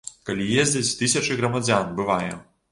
Калі ездзяць тысячы грамадзян, бывае.